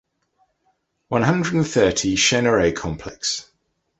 one hundred and thirty Chêneraie complex.